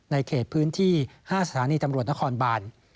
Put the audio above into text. เขตพื้นที่๕สถานีตำรวจนครบาน